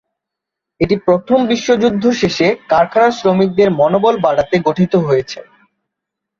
এটি প্রথম বিশ্বযুদ্ধ শেষে কারখানার শ্রমিকদের মনোবল বাড়াতে গঠিত হয়েছে।